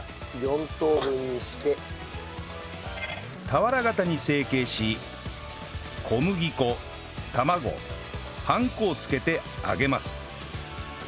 俵形に成形し小麦粉卵パン粉をつけて揚げます